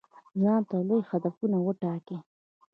ځانته لوی هدفونه وټاکئ.